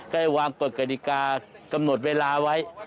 ได้วางกฎกฎิกากำหนดเวลาไว้